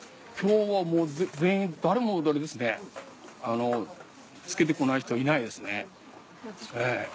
今日はもう全員誰もあれですね着けて来ない人いないですね。